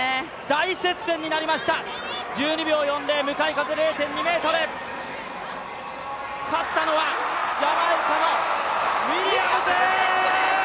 大接戦になりました、１２秒４０向かい風０．２メートル、勝ったのはジャマイカのウィリアムズ！